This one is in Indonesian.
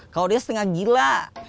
kalau dia setengah gila